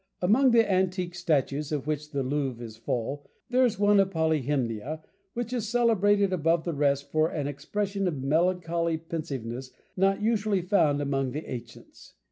] Among the antique statues of which the Louvre is full, there is one of Polyhymnia, which is celebrated above the rest for an expression of melancholy pensiveness not usually found among the ancients.